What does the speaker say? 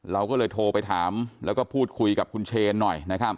เราก็เลยโทรไปถามแล้วก็พูดคุยกับคุณเชนหน่อยนะครับ